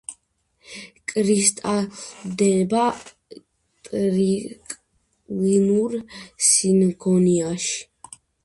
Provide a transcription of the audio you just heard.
კრისტალდება ტრიკლინურ სინგონიაში.